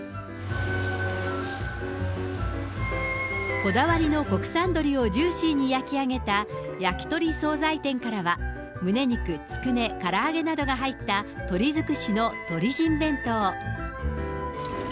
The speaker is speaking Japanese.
こだわりの国産鶏をジューシーに焼き上げた、焼き鳥総菜店からは、むね肉、つくね、から揚げなどが入った鶏づくしのとりじん弁当。